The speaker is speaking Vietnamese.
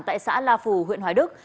tại xã la phù huyện hoài đức